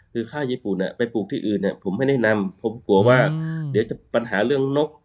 คือข้าวญี่ปุ่นไปปลูกที่อื่นเนี่ยผมไม่แนะนำผมกลัวว่าเดี๋ยวจะปัญหาเรื่องนก